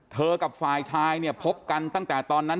กับฝ่ายชายเนี่ยพบกันตั้งแต่ตอนนั้น